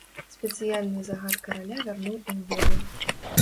Спецыяльны загад караля вярнуў ім волю.